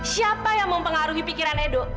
siapa yang mempengaruhi pikiran edo